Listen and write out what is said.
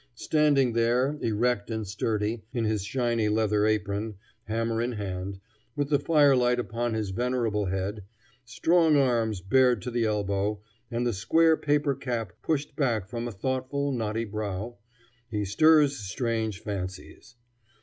Standing there, erect and sturdy, in his shiny leather apron, hammer in hand, with the firelight upon his venerable head, strong arms bared to the elbow, and the square paper cap pushed back from a thoughtful, knotty brow, he stirs strange fancies.